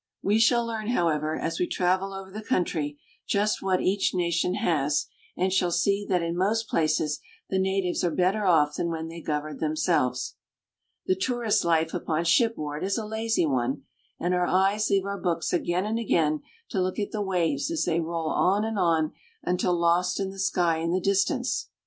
We shall learn, however, as we travel over the country, just what each nation has, and shall see that in most places the natives are better off than when they governed themselves. The tourist's life upon shipboard is a lazy one, and our eyes leave our books again and again to look at the waves as they roll on and on until lost in the sky in the distance.